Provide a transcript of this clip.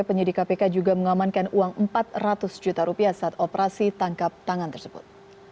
penyidik kpk juga mengamankan uang empat ratus juta rupiah saat operasi tangkap tangan tersebut